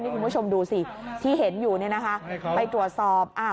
คุณผู้ชมดูสิที่เห็นอยู่เนี่ยนะคะไปตรวจสอบ